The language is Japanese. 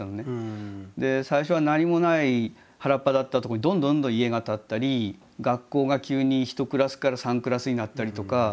最初は何もない原っぱだったとこにどんどんどんどん家が建ったり学校が急に１クラスから３クラスになったりとか。